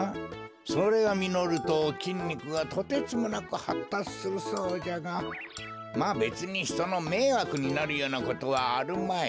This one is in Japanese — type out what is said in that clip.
それがみのるときんにくがとてつもなくはったつするそうじゃがまあべつにひとのめいわくになるようなことはあるまい。